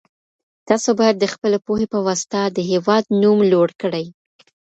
تاسو بايد د خپلي پوهي په واسطه د هېواد نوم لوړ کړئ.